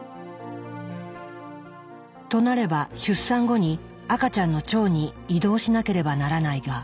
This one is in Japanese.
となれば出産後に赤ちゃんの腸に移動しなければならないが。